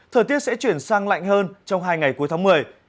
thời tiết sẽ chuyển sang lạnh hơn trong hai ngày cuối tháng một mươi